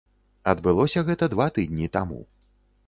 Адбылося гэта два тыдні таму.